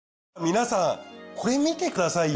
皆さんこれ見てくださいよ。